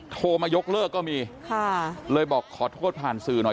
โทรมายกเลิกก็มีค่ะเลยบอกขอโทษผ่านสื่อหน่อย